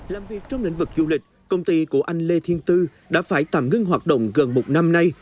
làm việc trong lĩnh vực du lịch công ty của anh lê thiên tư đã phải tạm ngưng hoạt động gần một năm nay